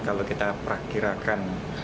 kondisi ini terjadi hingga enam hari ke depan